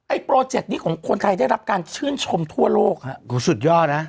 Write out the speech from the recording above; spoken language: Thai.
โปรเจกต์นี้ของคนไทยได้รับการชื่นชมทั่วโลกฮะสุดยอดนะ